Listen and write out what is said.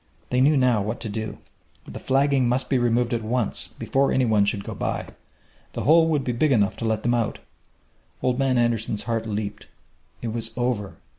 They knew now what to do. The flagging must be removed at once, before any one should go by! The hole would be big enough to let them out! Old Man Andersen's heart leaped. It was over.